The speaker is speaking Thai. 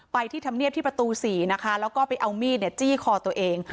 ที่ธรรมเนียบที่ประตู๔นะคะแล้วก็ไปเอามีดจี้คอตัวเอง